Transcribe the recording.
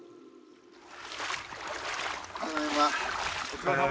ただいま。